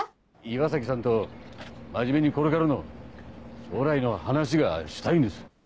岩崎さんと真面目にこれからの将来の話がしたいんです。